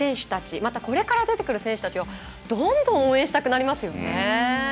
また、これから出てくる選手たちどんどん応援したくなりますね。